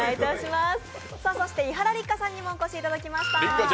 伊原六花さんにもお越しいただきました。